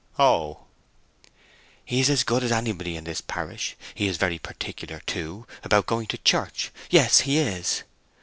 "Oh." "He is as good as anybody in this parish! He is very particular, too, about going to church—yes, he is!"